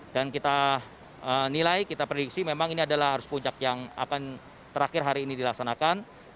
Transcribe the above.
dan kita nilai kita prediksi memang ini adalah arus puncak yang akan terakhir hari ini dilaksanakan